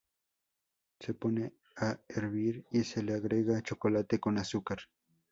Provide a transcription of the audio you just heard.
Se pone a hervir y se le agrega chocolate con azúcar.